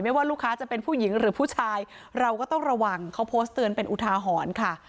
ว่าลูกค้าจะเป็นผู้หญิงหรือผู้ชายเราก็ต้องระวังเขาโพสต์เตือนเป็นอุทาหรณ์ค่ะ